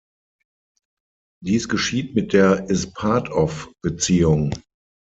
Dies geschieht mit der „is-part-of“-Beziehung.